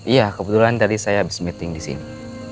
iya kebetulan tadi saya habis meeting disini